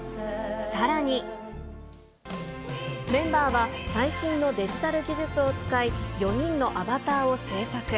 さらに、メンバーは最新のデジタル技術を使い、４人のアバターを制作。